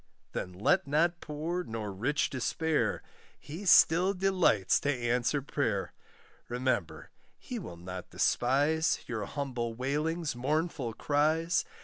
Then let not poor nor rich despair, He still delights to answer prayer; Remember he will not despise, Your humble wailings mournful cries.